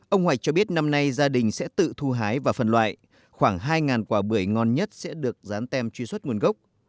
ông hoạch cho biết năm nay gia đình sẽ tự thu hái và phân loại khoảng hai quả bưởi ngon nhất sẽ được dán tem truy xuất nguồn gốc